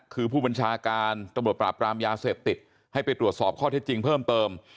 คือผู้บัญชาการตำรวจปราบรามยาเสพติดให้ไปตรวจสอบข้อเท็จจริงเพิ่มเติม